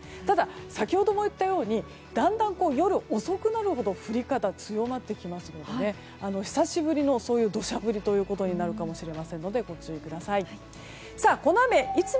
ただ、先ほども言ったようにだんだんと夜遅くなるほど降り方が強まってきますので久しぶりの土砂降りになるかもしれませんのでご注意ください。